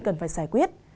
cần phải giải quyết